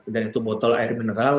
dan itu botol air mineral